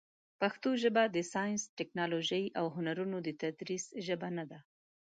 پښتو ژبه د ساینس، ټکنالوژۍ، او هنرونو د تدریس ژبه نه ده.